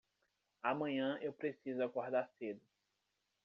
Amanhã eu preciso acordar cedo.